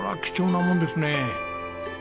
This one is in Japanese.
貴重なもんですね。